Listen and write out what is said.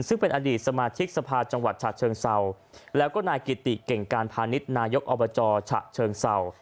ซึ่งเป็นอดีตสมาชิกสภาจังหวัดฉะเชิงเศร้าแล้วก็นายกิติเก่งการพาณิชย์นายกอบจฉะเชิงเศร้า